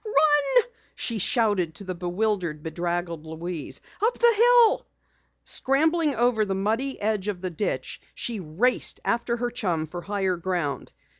"Run!" she shouted to the bewildered, bedraggled Louise. "Up the hill!" Scrambling over the muddy edge of the ditch, she raced after her chum for higher ground.